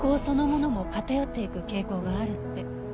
そのものも偏っていく傾向があるって。